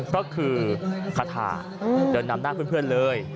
ก็คือคาถาเดินนำหน้าเพื่อนเลย